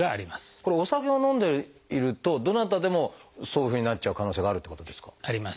これお酒を飲んでいるとどなたでもそういうふうになっちゃう可能性があるっていうことですか？